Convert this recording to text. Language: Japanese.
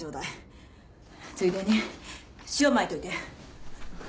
ついでに塩まいておいて。